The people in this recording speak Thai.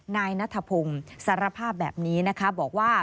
นายนัทพงศ์สารภาพแบบนี้นะคะบอกว่า